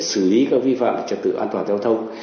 và cái hệ thống về xử lý các vi phạm trật tự an toàn giao thông